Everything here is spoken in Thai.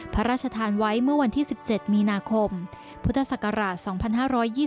พระราชทานไว้เมื่อวันที่๑๗มีนาคมพุทธศักราช๒๕๒๒